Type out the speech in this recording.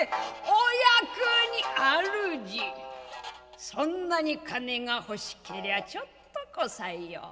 「あるじそんなに金が欲しけりゃちょっとこさえよう」。